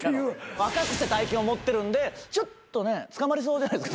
若くして大金を持ってるんでちょっとね捕まりそうじゃないですか。